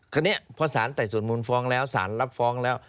คราวนี้พอสารไต่สวนมูลฟ้องแล้วสารรับฟ้องแล้ว